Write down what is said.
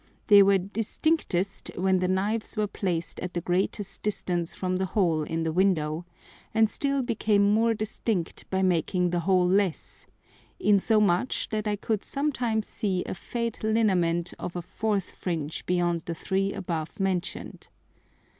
They were distinctest when the Knives were placed at the greatest distance from the hole in the Window, and still became more distinct by making the hole less, insomuch that I could sometimes see a faint lineament of a fourth Fringe beyond the three above mention'd.